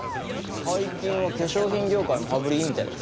最近は化粧品業界も羽振りいいみたいだぜ。